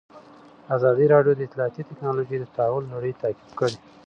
ازادي راډیو د اطلاعاتی تکنالوژي د تحول لړۍ تعقیب کړې.